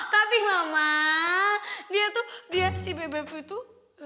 tapi mama dia tuh dia si bebe itu